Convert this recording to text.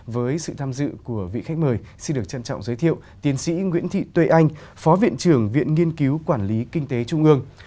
với sự tham dự của vị khách mời xin được trân trọng giới thiệu tiến sĩ nguyễn thị tươi anh phó viện trưởng viện nghiên cứu quản lý kinh tế trung ương